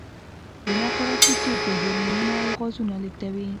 وینه خوراکي توکي، هورمونونه او غازونه لېږدوي.